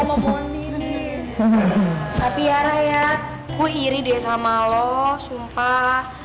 tapi ya raya gua iri deh sama lo sumpah